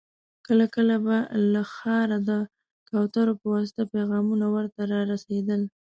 کله کله به له ښاره د کوترو په واسطه پيغامونه ور ته را رسېدل.